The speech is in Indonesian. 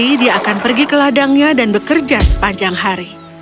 nanti dia akan pergi ke ladangnya dan bekerja sepanjang hari